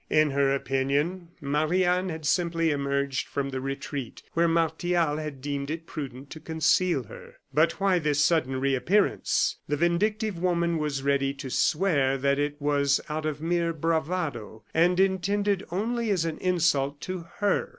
In her opinion, Marie Anne had simply emerged from the retreat where Martial had deemed it prudent to conceal her. But why this sudden reappearance? The vindictive woman was ready to swear that it was out of mere bravado, and intended only as an insult to her.